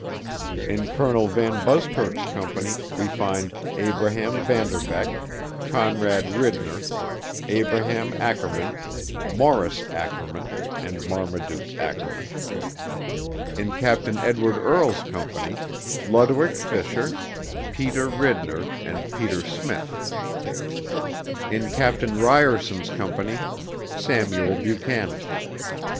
In Col. VanBuskirk's Company we find Abraham Vanderbeck, Conrad Ridner, Abraham Ackerman, Morris Ackerman and Marmaduke Ackerman. In Captain Edward Earle's Company, Lodewick Fisher, Peter Ridnor and Peter Smith. In Captain Samuel Ryerson's Company, Samuel Buchanan.